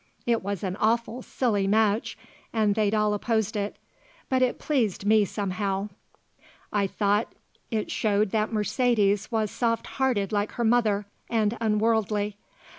It was an awful silly match, and they'd all opposed it; but it pleased me somehow. I thought it showed that Mercedes was soft hearted like her mother, and unworldly.